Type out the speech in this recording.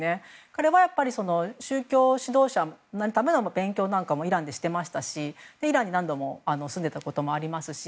彼はやっぱり、宗教指導者になるための勉強なんかもイランでしていましたしイランに何度も住んでいたこともありますし。